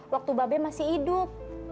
waktu babai masih hidup